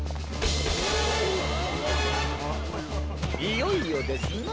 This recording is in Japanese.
いよいよですな。